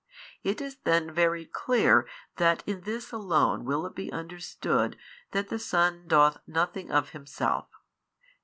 It is then very clear that in this alone will it be understood that the Son doth nothing of Himself, viz.